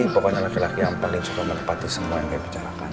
pokoknya laki laki yang paling suka menempati semua yang saya bicarakan